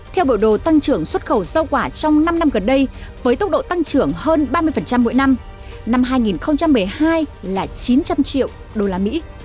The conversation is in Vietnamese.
theo bộ đồ tăng trưởng xuất khẩu rau quả trong năm năm gần đây với tốc độ tăng trưởng hơn ba mươi mỗi năm năm hai nghìn một mươi hai là chín trăm linh triệu đô la mỹ